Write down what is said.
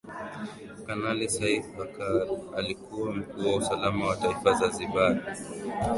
Kanali Seif Bakari alikuwa Mkuu wa Usalama wa Taifa Zanzibar